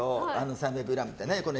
３００ｇってね。